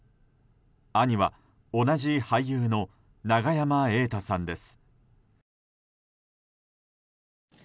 兄は同じ俳優の永山瑛太さんです。